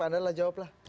anda lah jawablah